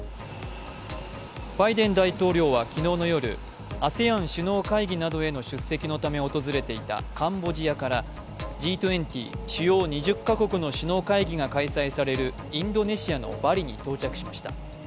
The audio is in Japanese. バイデン大統領は昨日の夜、ＡＳＥＡＮ首脳会議などへの出席のため訪れていたカンボジアからＧ２０＝主要２０か国の首脳会議が開催されるインドネシアのバリに到着しました。